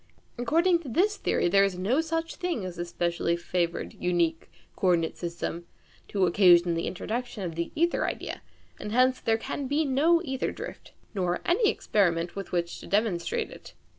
According to this theory there is no such thing as a " specially favoured " (unique) co ordinate system to occasion the introduction of the ćther idea, and hence there can be no ćther drift, nor any experiment with which to demonstrate it.